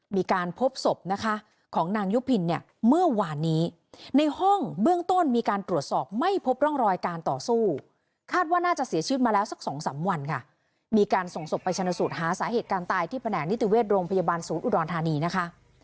มีการพบศพนะคะของนางยุพินเนี่ยเมื่อวานนี้ในห้องเบื้องต้นมีการตรวจสอบไม่พบร่องรอยการต่อสู้คาดว่าน่าจะเสียชีวิตมาแล้วสักสองสามวันค่ะมีการส่งศพไปชนสูตรหาสาเหตุการณ์ตายที่แผนกนิติเวชโรงพยาบาลศูนย์อุดรธานีนะคะ